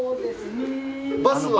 バスは。